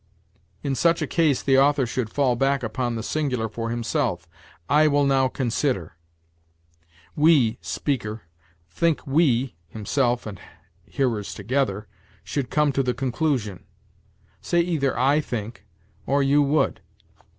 In such a case the author should fall back upon the singular for himself 'I will now consider .' 'We [speaker] think we [himself and hearers together] should come to the conclusion.' Say, either 'I think,' or 'you would.'